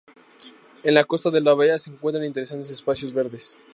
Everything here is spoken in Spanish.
En la costa de la bahía se encuentran interesantes espacios verdes.